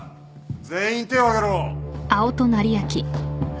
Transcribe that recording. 全員手を上げろ！